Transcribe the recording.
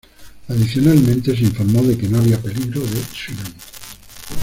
Adicionalmente se informó de que no había peligro de tsunami.